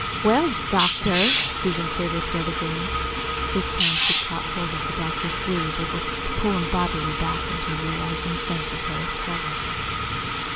"Well, doctor." Susan cleared her throat again. This time she caught hold of the doctor's sleeve as if to pull him bodily back to a realizing sense of her presence.